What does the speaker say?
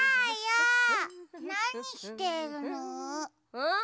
うん？